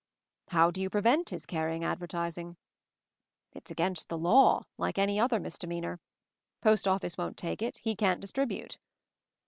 "How do you prevent his carrying ad vertising?" "It's against the law — like any other mis demeanor. Post Office won't take it — he can't distribute.